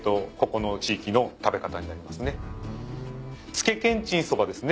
つけけんちんそばですね。